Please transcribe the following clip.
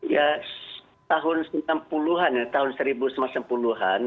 ya tahun sembilan puluh an ya tahun seribu sembilan puluh an